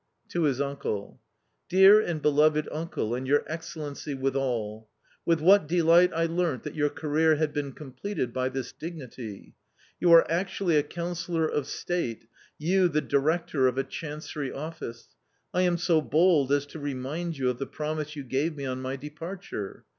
" To his uncle : <l Dear and beloved uncle, and your Excellency withal !" With what delight I learnt that your career had been completed by this dignity ! You are actually a Councillor of State — you the director of a chancery office ! I am so bold as to remind you of the promise you gave me on my departure.